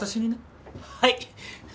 はい。